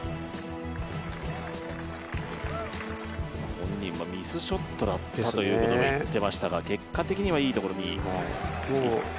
本人はミスショットだったということを言っていましたが結果的には、いいところにいって。